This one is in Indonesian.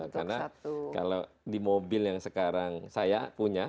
karena kalau di mobil yang sekarang saya punya